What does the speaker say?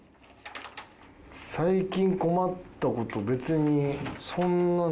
最近困った事別にそんな。